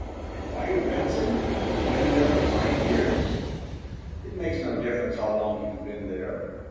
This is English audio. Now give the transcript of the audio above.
and fire Benson, who's been there for five years?" "It makes no difference how long he's been there.